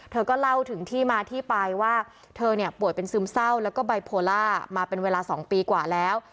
เธอก็เล่าถึงที่มาที่ไปว่าเธอเนี่ยป่วยเป็นซึมเศร้าแล้วก็ไบโพล่ามาเป็นเวลา๒ปีกว่าแล้ว